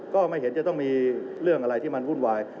ก็ไม่เห็นจะต้องมีเรื่องอะไรที่มันวุ่นวาย